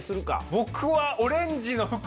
僕は。